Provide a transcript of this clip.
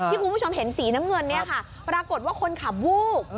ที่คุณผู้ชมเห็นสีน้ำเงินปรากฏว่าคนขับวูบ